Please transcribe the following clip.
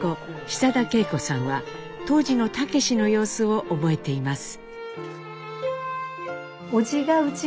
久田恵子さんは当時の武の様子を覚えています。